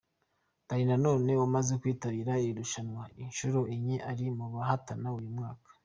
Danny Nanone umaze kwitabira iri rushanwa inshuro enye ari mu bahatana uyu mwaka.